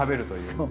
そう。